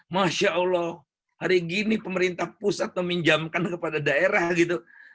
masya allah hari gini pemerintah pusat meminjamkan kepada daerah gitu